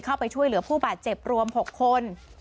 เข้าไปช่วยเหลือผู้บาดเจ็บรวม๖คน